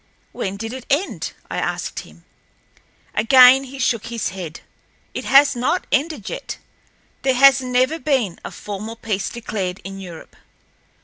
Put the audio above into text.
"When did it end?" I asked him. Again he shook his head. "It has not ended yet. There has never been a formal peace declared in Europe.